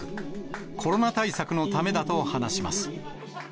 コロナ対策のためだと話します。